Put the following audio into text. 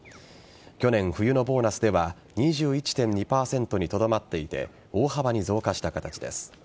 去年冬のボーナスでは２１．２％にとどまっていて大幅に増加した形です。